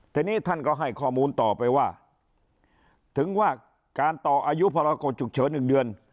ทีนี้ท่านก็ให้ข้อมูลต่อไปว่าถึงว่าการต่ออายุพรกฎฉุกเฉิน๑เดือน